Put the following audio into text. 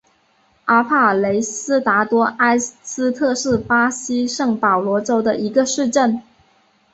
阿帕雷西达多埃斯特是巴西圣保罗州的一个市镇。